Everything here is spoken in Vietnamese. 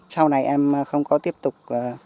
sau này em không có tiếp tục